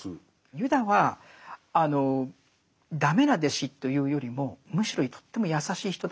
ユダは駄目な弟子というよりもむしろとっても優しい人だったんです